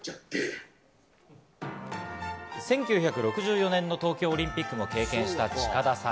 １９６４年の東京オリンピックも経験した近田さん。